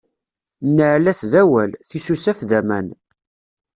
Nneɛlat d awal, tisusaf d aman.